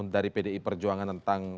dari pdi perjuangan tentang